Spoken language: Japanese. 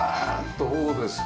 どうですか？